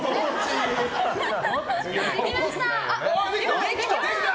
できました！